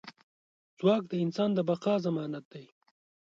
ځواک د انسان د بقا ضمانت دی.